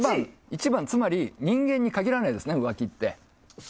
１番、人間に限らないですね浮気って。